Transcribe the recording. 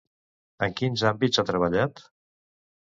En quins àmbits ha treballat?